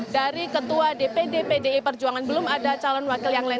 dari ketua dpd pdi perjuangan belum ada calon wakil yang lain